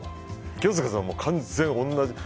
清塚さんは完全に同じ。